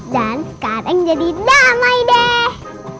dan sekarang jadi damai deh